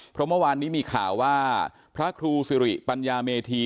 เพราะเมื่อวานนี้มีข่าวว่าพระครูสิริปัญญาเมธี